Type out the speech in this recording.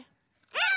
うん！